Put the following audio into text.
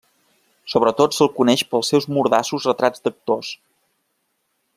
Sobretot se'l coneix pels seus mordaços retrats d'actors.